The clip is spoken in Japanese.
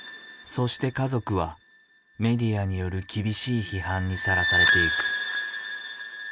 そして家族はメディアによる厳しい批判にさらされていく。